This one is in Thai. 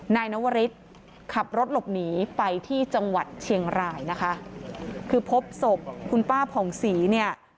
นายนวริสขับรถหลบหนีไปที่จังหวัดเชียงรายนะคะคือพบศพคุณป้าผ่องศรีเนี่ย